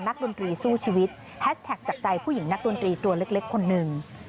ดนตรีสู้ชีวิตแฮชแท็กจากใจผู้หญิงนักดนตรีตัวเล็กคนหนึ่ง